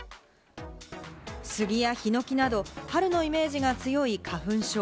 スギやヒノキなど、春のイメージが強い花粉症。